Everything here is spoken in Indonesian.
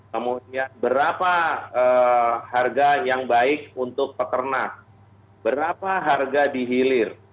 kemudian berapa harga yang baik untuk peternak berapa harga dihilir